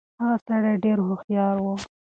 هغه سړی ډېر هوښيار و.